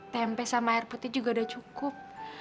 tempe sama air putih juga udah cukup